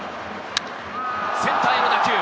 センターへの打球。